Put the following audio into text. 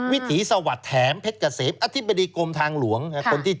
วิถีสวัสดิ์แถมเพชรเกษมอธิบดีกรมทางหลวงคนที่